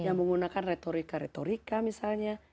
yang menggunakan retorika retorika misalnya